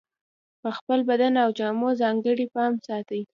په خپل بدن او جامو ځانګړی پام ساتي.